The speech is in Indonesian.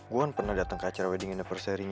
gue kan pernah dateng ke acara wedding anniversary